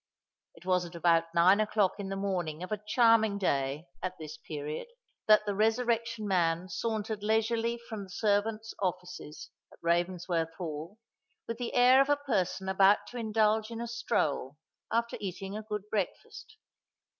It was at about nine o'clock in the morning of a charming day, at this period, that the Resurrection Man sauntered leisurely from the servants' offices, at Ravensworth Hall, with the air of a person about to indulge in a stroll after eating a good breakfast.